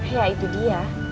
ya itu dia